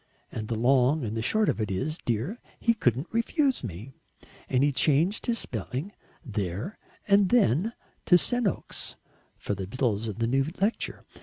And the long and the short of it is, dear, he couldn't refuse me, and he changed his spelling there and then to Senoks for the bills of the new lecture.